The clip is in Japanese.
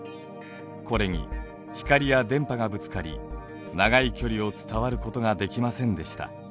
これに光や電波がぶつかり長い距離を伝わることができませんでした。